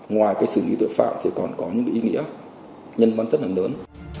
ngoài sự nghi tội phạm thì còn có những ý nghĩa nhân văn chất hẳn lớn